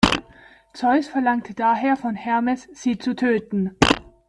Zeus verlangte daher von Hermes, sie zu töten.